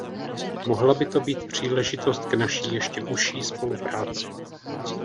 Mohla by to být příležitost k naší ještě užší spolupráci.